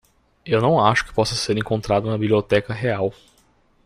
Eu não acho que possa ser encontrado na Biblioteca Real.